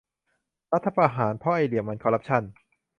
รัฐประหารเพราะไอ้เหลี่ยมมันคอรัปชั่น !